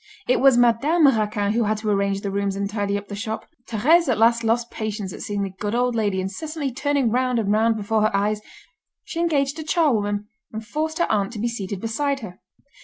It was Madame Raquin who had to arrange the rooms and tidy up the shop. Thérèse at last lost patience at seeing the good old lady incessantly turning round and round before her eyes; she engaged a charwoman, and forced her aunt to be seated beside her.